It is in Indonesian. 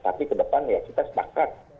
tapi ke depan ya kita sepakat